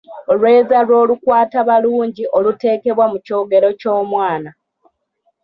Olweza lw'olukwatabalungi olutekebwa mu kyogero kyo'mwana.